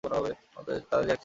তাদের এক ছেলে, দুই মেয়ে।